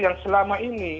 yang selama ini